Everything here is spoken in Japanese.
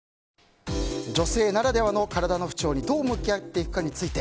女性ならではの体の不調にどう向き合っていくかについて。